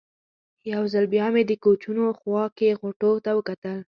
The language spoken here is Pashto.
یو ځل بیا مې د کوچونو خوا کې غوټو ته وکتل.